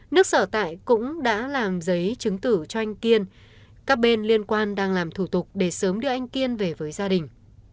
nước sở tại cũng đã làm giấy chứng tử cho anh kiên các bên liên quan đang làm thủ tục để sớm đưa anh kiên về với gia đình